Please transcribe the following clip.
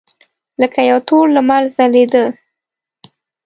لکه یو تور لمر ځلېده.